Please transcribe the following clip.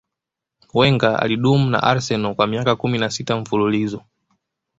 wenger alidumu na arsenal kwa miaka kumi na sita mfululizo